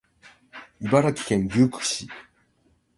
茨城県牛久市